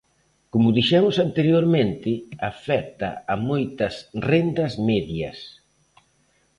Como dixemos anteriormente, afecta a moitas rendas medias.